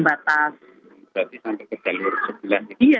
batas berarti sampai ke jalur sebelah